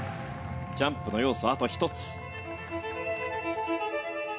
ジャンプの要素、あと１つ。